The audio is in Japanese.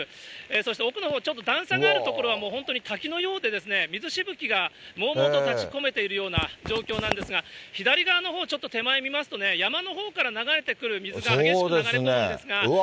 そして奥のほう、ちょっと段差がある所は本当に滝のようで、水しぶきがもうもうと立ち込めているような状況なんですが、左側のほう、ちょっと手前を見ますとね、山のほうから流れてくる水が激しく流れ込むんですが。